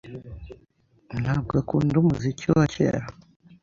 ntabwo akunda umuziki wa kera.